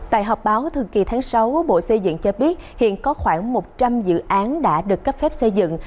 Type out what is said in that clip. tại họp báo thường kỳ tháng sáu bộ xây dựng cho biết hiện có khoảng một trăm linh dự án đã được cấp phép xây dựng